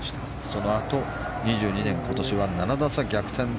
そのあと２２年今年は７打差逆転。